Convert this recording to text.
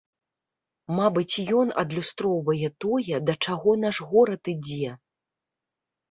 Мабыць, ён адлюстроўвае тое, да чаго наш горад ідзе.